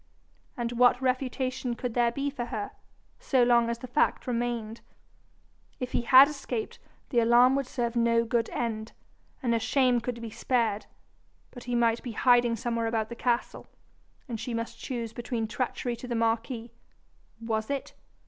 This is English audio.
And what refutation could there be for her, so long as the fact remained? If he had escaped, the alarm would serve no good end, and her shame could be spared; but he might be hiding somewhere about the castle, and she must choose between treachery to the marquis was it?